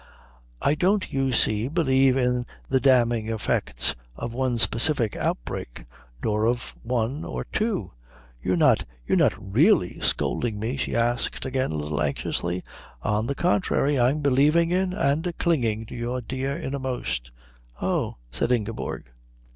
"I don't, you see, believe in the damning effect of one specific outbreak, nor of one or two " "You're not you're not really scolding me?" she asked, again a little anxiously. "On the contrary, I'm believing in and clinging to your dear innermost." "Oh," said Ingeborg.